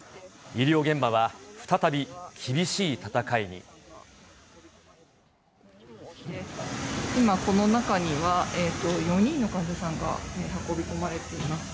医療現場は再び、今、この中には、４人の患者さんが運び込まれています。